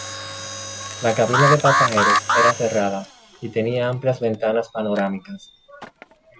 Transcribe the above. La cabina de pasajeros era cerrada y tenía amplias ventanas panorámicas.